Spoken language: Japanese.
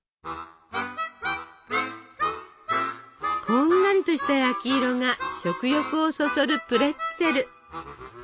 こんがりとした焼き色が食欲をそそるプレッツェル！